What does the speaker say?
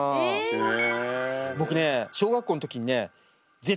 へえ。